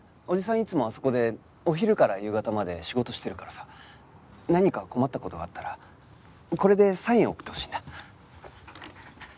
おじさんいつもあそこでお昼から夕方まで仕事してるからさ何か困った事があったらこれでサインを送ってほしいんだ。